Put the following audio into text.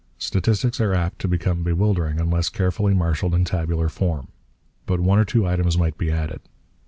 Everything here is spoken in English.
Statistics are apt to become bewildering unless carefully marshalled in tabular form. But one or two items might be added.